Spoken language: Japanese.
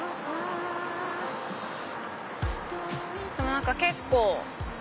何か結構。